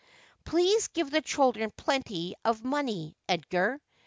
Please give the children plenty of money, Edgar.'